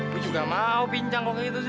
gue juga mau bincang kok kayak gitu sih